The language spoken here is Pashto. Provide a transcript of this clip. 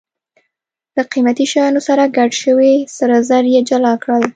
له قیمتي شیانو سره ګډ شوي سره زر یې جلا کړل.